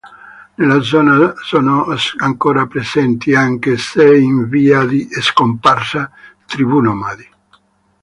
Nella zona sono ancora presenti, anche se in via di scomparsa, tribù nomadi.